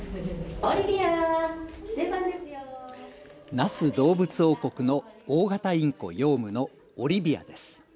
那須どうぶつ王国の大型インコ、ヨウムのオリビアです。